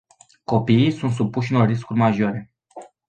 Copiii sunt supuși unor riscuri majore.